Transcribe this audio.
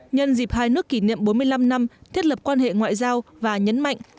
nhân dịp hai nước kỷ niệm bốn mươi năm năm thiết lập quan hệ ngoại giao và nhấn mạnh